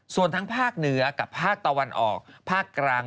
ส่วนทั้งภาคเหนือกับภาคตะวันออกภาคกลาง